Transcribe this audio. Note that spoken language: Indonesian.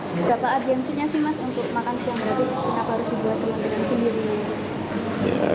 berapa arjensinya sih mas untuk makan siang gratis kenapa harus dibahas di lantai dan sendiri